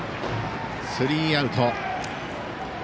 スリーアウト。